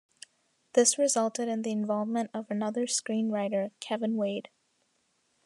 This resulted in the involvement of another screenwriter, Kevin Wade.